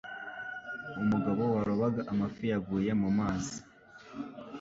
umugabo warobaga amafi yaguye mu mazi